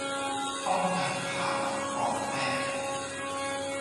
ป้องกันภาวะปอดแฟบ